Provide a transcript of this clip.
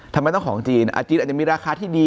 ทำไมต้องของจีนจีนอาจจะมีราคาที่ดี